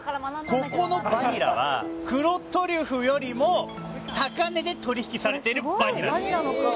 ここのバニラは、黒トリュフよりも高値で取り引きされているバニラです。